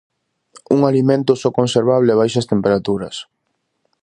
Un alimento só conservable a baixas temperaturas.